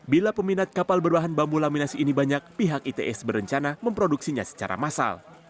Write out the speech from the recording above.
bila peminat kapal berbahan bambu laminasi ini banyak pihak its berencana memproduksinya secara massal